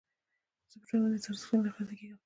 زه پر ټولنيزو ارزښتونو نه غږېږم.